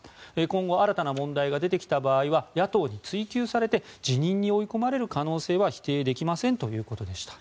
今後、新たな問題が出てきた場合は野党に追及されて辞任に追い込まれる可能性は否定できませんということでした。